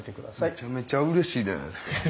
めちゃめちゃうれしいじゃないですか。